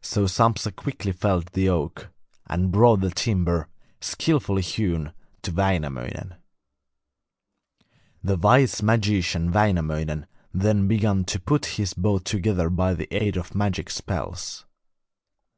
So Sampsa quickly felled the oak, and brought the timber, skilfully hewn, to Wainamoinen. The wise magician Wainamoinen then began to put his boat together by the aid of magic spells.